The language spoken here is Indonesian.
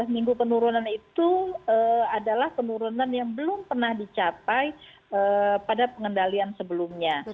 empat minggu penurunan itu adalah penurunan yang belum pernah dicapai pada pengendalian sebelumnya